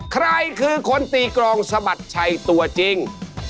ใครคือคนตีกรองสะบัดชัยตัวจริง